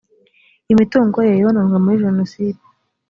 imitungo ye yononwe muri jenoside